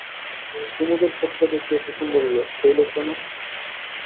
কুমুদের ফটোটা দেখিয়া কুসুম বলিল, সেই লোকটা না?